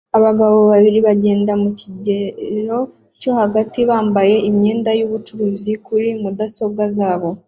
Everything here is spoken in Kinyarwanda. Abagabo babiri bageze mu kigero cyo hagati bambaye imyenda yubucuruzi kuri mudasobwa zabo